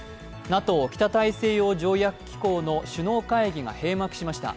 ＮＡＴＯ＝北大西洋条約機構の首脳会議が閉幕しました。